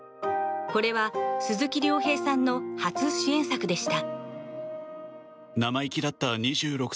これは鈴木亮平さんの初主演作でした。